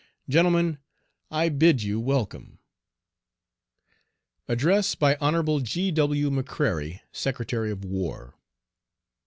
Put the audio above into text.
Gentlemen, I bid you welcome. ADDRESS BY HON. G. W. McCRARY, Secretary of War.